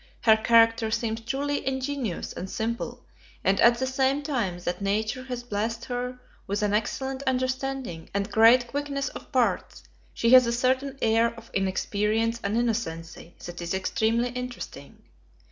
Her character seems truly ingenuous and simple; and at the same time that nature has blessed her with an excellent understanding and great quickness of parts, she has a certain air of inexperience and innocency that is extremely interesting.